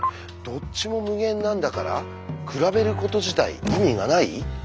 「どっちも無限なんだから比べること自体意味がない」？